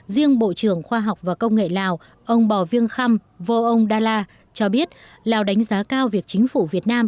riêng bộ trưởng khoa học và công nghệ lào ông bò viêng khăm vô ông đa la cho biết lào đánh giá cao việc chính phủ việt nam